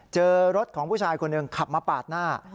เจอรถของผู้ชายคนหนึ่งขับมาปาดหน้า